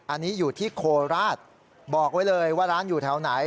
อันนี้อยู่ที่โคราชบอกไว้เลยว่าร้านอยู่แถวไหน